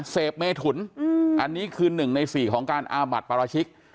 เสพเมถุนอันนี้คือ๑ใน๔ของการอาบัติปราชิก